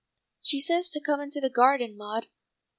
"She says to 'come into the garden, Maud.'